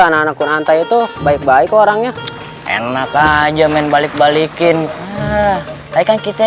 anak anak kunantai itu baik baik orangnya enak aja main balik balikin tapi kan kita